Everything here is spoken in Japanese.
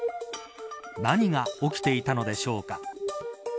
何が起きていたのでしょうか。